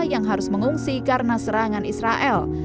yang harus mengungsi karena serangan israel